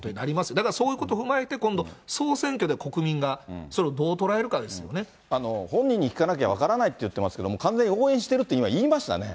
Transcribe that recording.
だからそういうことを踏まえて、今度、総選挙で国民がそれをどう本人に聞かなきゃ分からないって言ってますけど、完全に応援してるって今、言いましたね？